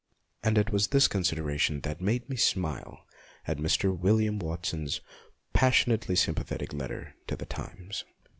And it was this consideration that made me smile at Mr. William Watson's passion ately sympathetic letter to the Times.